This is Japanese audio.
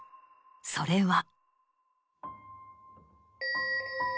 それは。